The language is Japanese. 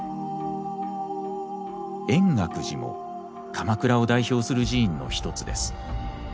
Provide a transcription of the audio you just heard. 円覚寺も鎌倉を代表する寺院の一つです。